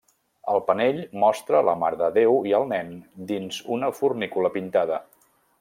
El panell mostra la Mare de Déu i el Nen dins una fornícula pintada.